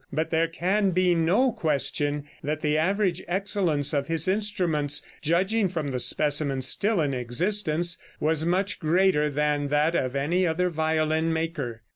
But there can be no question that the average excellence of his instruments, judging from the specimens still in existence, was much greater than that of any other violin maker.